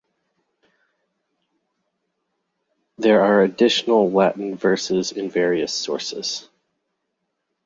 There are additional Latin verses in various sources.